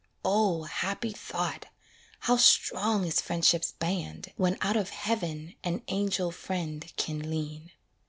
O, happy thought! how strong is friendship's band, When out of heaven an angel friend can lean.